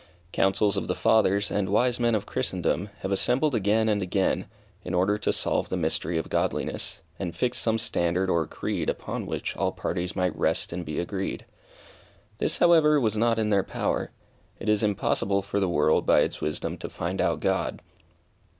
Councils of the fathers, and wise men of Christendom, have assembled again and again, in order to solve the mystery of Godliness, and fix some standard or creed upon which all parties might rest and be agreed. This, however, was not in their power. It is impossible for the world by its wisdom to find out God.